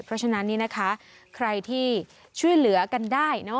เพราะฉะนั้นนี่นะคะใครที่ช่วยเหลือกันได้